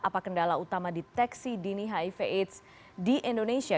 apa kendala utama deteksi dini hiv aids di indonesia